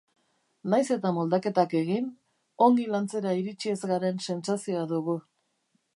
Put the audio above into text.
Nahiz eta moldaketak egin, ongi lantzera iritsi ez garen sentsazioa dugu.